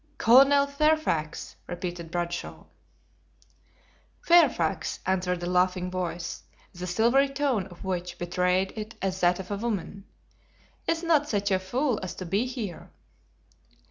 "Colonel Fairfax," repeated Bradshaw. "Fairfax," answered a laughing voice, the silvery tone of which betrayed it as that of a woman, "is not such a fool as to be here."